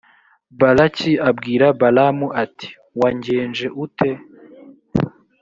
balaki abwira balamu, ati «wangenje ute?